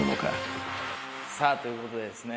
さあということでですね